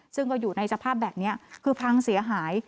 ซึ่งก็อยู่ในสภาพแบบนี้คือพังเสียหาย